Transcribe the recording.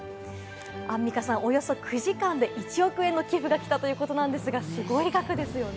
アンミカさん、およそ９時間で１億円の寄付が来たということなんですが、すごい額ですよね。